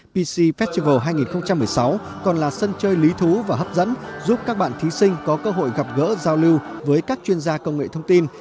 pctival hai nghìn một mươi sáu còn là sân chơi lý thú và hấp dẫn giúp các bạn thí sinh có cơ hội gặp gỡ giao lưu với các chuyên gia công nghệ thông tin